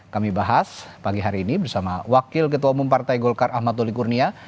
kami bahas pagi hari ini bersama wakil ketua umum partai golkar ahmad doli kurnia